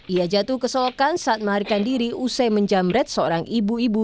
ia jatuh keselokan saat melarikan diri usai menjambret seorang ibu ibu